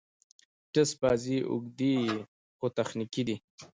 ټېسټ بازي اوږدې يي، خو تخنیکي دي.